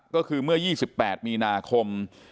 ก็คือเมื่อ๒๘มีนาคม